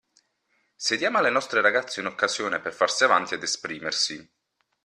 Se diamo alle nostre ragazze un'occasione per farsi avanti ed esprimersi